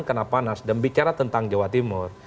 kena panas dan bicara tentang jawa timur